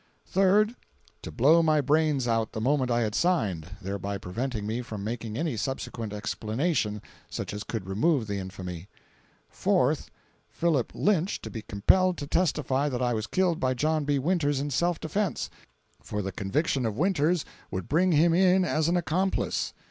Third—To blow my brains out the moment I had signed, thereby preventing me from making any subsequent explanation such as could remove the infamy. Fourth—Philip Lynch to be compelled to testify that I was killed by John B. Winters in self defence, for the conviction of Winters would bring him in as an accomplice.